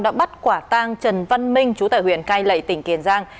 đã bắt quả tang trần văn minh chủ tải huyện cai lậy tỉnh kiền giang